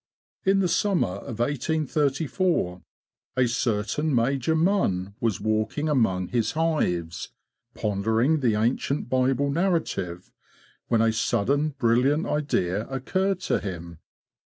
In the summer of 1834 a certain Major Munn was walking among his hives, pondering the ancient Bible narrative, when a sudden brilliant idea occurred to him.